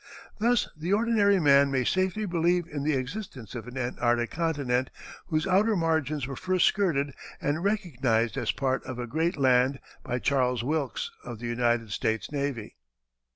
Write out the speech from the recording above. Thus the ordinary man may safely believe in the existence of an Antarctic continent whose outer margins were first skirted and recognized as part of a great land by Charles Wilkes, of the United States Navy.